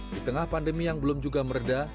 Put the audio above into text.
di tengah pandemi yang belum juga meredah